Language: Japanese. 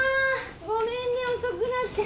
ごめんね遅くなって。